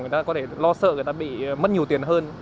người ta có thể lo sợ người ta bị mất nhiều tiền hơn